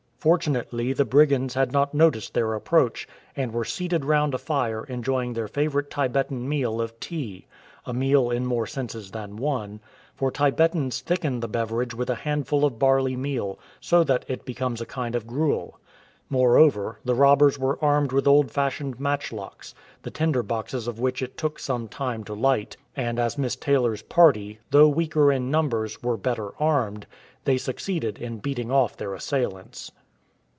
Fortunately the brigands had not noticed their approach, and were seated round a fire enjoying the favourite Tibetan meal of tea — a meal in more senses than one, for Tibetans thicken the beverage with a handful of barley meal, so that it becomes a kind of gruel. Moreover, the robbers were armed with old fashioned matchlocks, the tinder boxes of which it took some time to light, and as Miss Taylor's party, though weaker in numbers, were better armed, they succeeded in beating off their assailants.